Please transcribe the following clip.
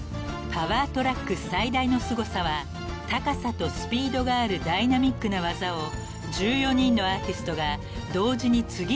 「パワートラック」最大の凄さは高さとスピードがあるダイナミックな技を１４人のアーティストが同時に次々と披露すること］